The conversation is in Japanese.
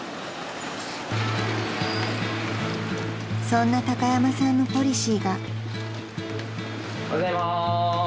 ［そんな高山さんのポリシーが］